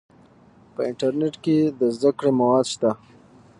په انټرنیټ کې د زده کړې مواد شته.